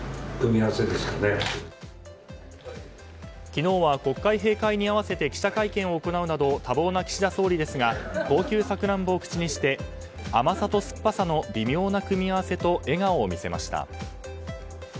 昨日は国会閉会に合わせて記者会見を行うなど多忙な岸田総理ですが高級サクランボを口にして甘さと酸っぱさの微妙な組み合わせと笑顔を見せました。